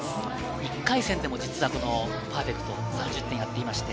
１回戦でも実はパーフェクト、３０点をやってましたね。